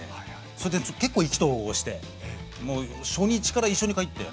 それで結構意気投合してもう初日から一緒に帰ったよね。